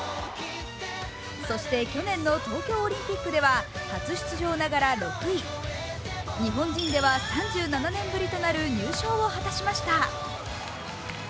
そして、去年の東京オリンピックでは初出場ながら６位。日本人では３７年ぶりとなる入賞を果たしました。